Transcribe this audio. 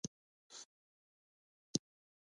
ایا مصنوعي ځیرکتیا د انساني کیسو ژورتیا نه کمزورې کوي؟